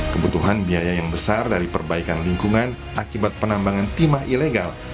kebutuhan biaya yang besar dari perbaikan lingkungan akibat penambangan timah ilegal